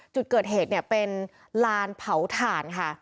จุดเกิดเหตุเป็นลานเผาถ่าน